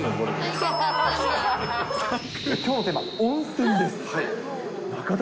きょうのテーマ、温泉です。